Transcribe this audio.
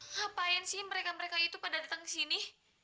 ngapain sih mereka mereka itu pada datang ke sini